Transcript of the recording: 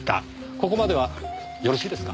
ここまではよろしいですか？